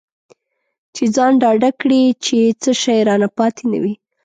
چې ځان ډاډه کړي چې څه شی رانه پاتې نه وي.